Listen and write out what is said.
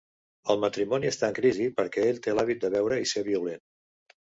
El matrimoni està en crisi perquè ell té l'hàbit de beure i ser violent.